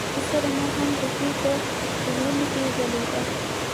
د کوڅه رڼا هم د دوی په زړونو کې ځلېده.